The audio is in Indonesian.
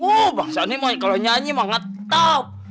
wah bang sani kalau nyanyi mah ngataup